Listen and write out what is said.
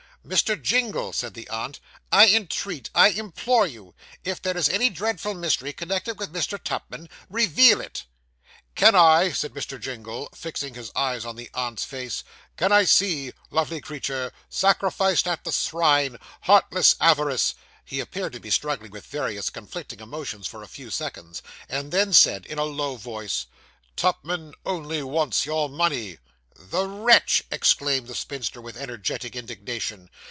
'Mr. Jingle,' said the aunt, 'I entreat I implore you, if there is any dreadful mystery connected with Mr. Tupman, reveal it.' 'Can I,' said Mr. Jingle, fixing his eyes on the aunt's face 'can I see lovely creature sacrificed at the shrine heartless avarice!' He appeared to be struggling with various conflicting emotions for a few seconds, and then said in a low voice 'Tupman only wants your money.' 'The wretch!' exclaimed the spinster, with energetic indignation.